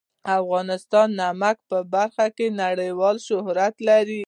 افغانستان د نمک په برخه کې نړیوال شهرت لري.